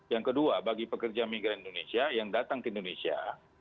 yang kedua bagi pekerja migran indonesia yang datang ke indonesia